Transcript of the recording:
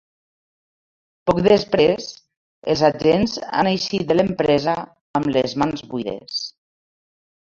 Poc després els agents han eixit de l’empresa amb les mans buides.